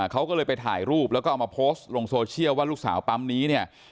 เขาก็เลยไปถ่ายรูปแล้วก็เอามาโพสต์ลงโซเชียลว่าลูกสาวปั๊มนี้เนี่ย